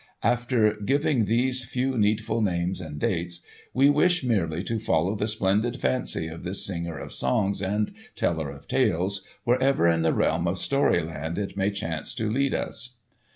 After giving these few needful names and dates, we wish merely to follow the splendid fancy of this singer of songs and teller of tales wherever in the realm of storyland it may chance to lead us.